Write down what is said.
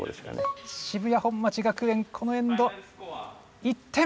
渋谷本町学園このエンド１点。